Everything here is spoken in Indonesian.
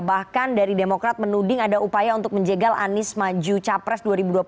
bahkan dari demokrat menuding ada upaya untuk menjegal anies maju capres dua ribu dua puluh empat